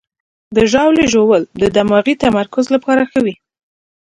د ژاولې ژوول د دماغي تمرکز لپاره ښه وي.